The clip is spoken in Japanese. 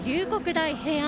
大平安。